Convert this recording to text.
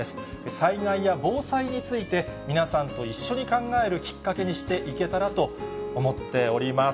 災害や防災について、皆さんと一緒に考えるきっかけにしていけたらと思っております。